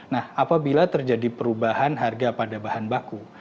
nah apabila terjadi perubahan harga pada bahan baku